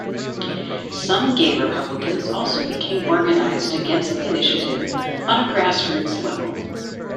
Some gay Republicans also became organized against the initiative on a grassroots level.